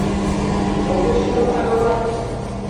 — Мо пеш шӱлыкан улат?